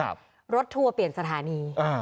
รถทัวร์เปลี่ยนสถานีอ่า